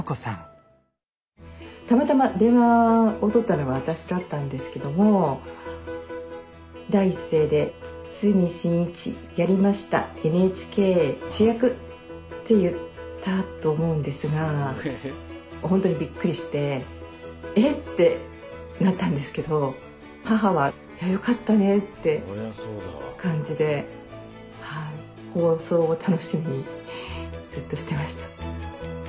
たまたま電話をとったのは私だったんですけども第一声で「堤真一やりましたＮＨＫ主役！」って言ったと思うんですがほんとにびっくりしてえってなったんですけど母はよかったねって感じで放送を楽しみにずっとしてました。